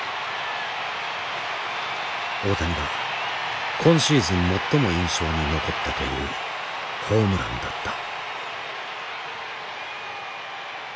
大谷が今シーズン最も印象に残ったというホームランだった。